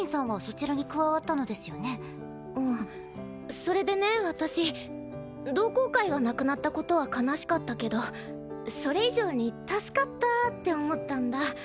それでね私同好会がなくなったことは悲しかったけどそれ以上に助かったって思ったんだ。